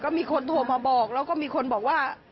มีคนโทรมาบอกแล้วก็มีคนบอกว่า